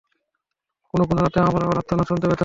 কোন কোন রাতে, আমরা ওর আর্তনাদ শুনতে পেতাম।